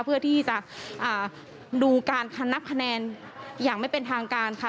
เพื่อที่จะดูการนับคะแนนอย่างไม่เป็นทางการค่ะ